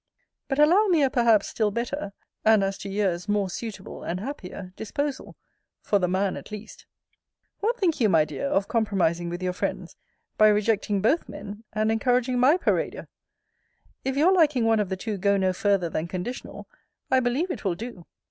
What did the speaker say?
But allow me a perhaps still better (and, as to years, more suitable and happier) disposal; for the man at least. What think you, my dear, of compromising with your friends, by rejecting both men, and encouraging my parader? If your liking one of the two go no farther than conditional, I believe it will do.